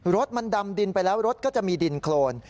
รถมันดำดินไปแล้วรถก็จะมีดินโครน